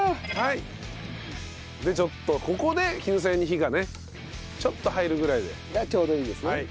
でちょっとここで絹さやに火がねちょっと入るぐらいで。がちょうどいいんですね。